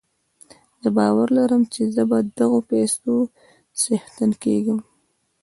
زه باور لرم چې زه به د دغو پيسو څښتن کېږم.